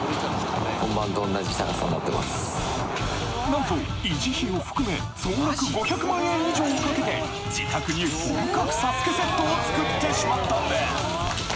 なんと維持費を含め総額５００万円以上もかけて自宅に本格ＳＡＳＵＫＥセットをつくってしまったんです